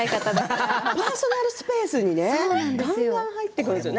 パーソナルスペースにガンガン入ってくるんですよ。